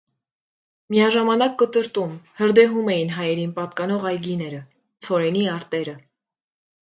Միաժամանակ կտրտում, հրդեհում էին հայերին պատկանող այգիները, ցորենի արտերը։